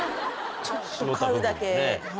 ちょっとカウだけ。